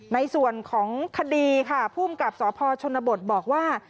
ในส่วนของคดีค่ะภูมิกับสพชนบทบอกว่า